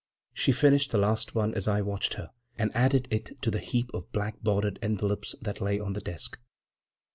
She finished the last one as I watched her, and added it to the heap of black bordered envelopes that lay on the desk.